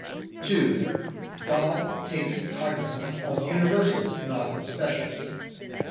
(2) " God takes cognisance of universals, not of specials."